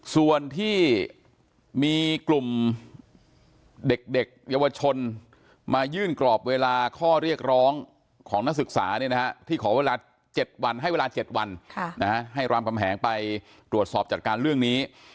ส่วนที่มีกลุ่มเด็กเยาวชนมายื่นกรอบเวลาข้อเรียกร้องของนักศึกษาที่ขอเวลา๗วันให้เวลา๗วันให้รามกำแหงไปตรวจสอบจัดการเรื่องนี้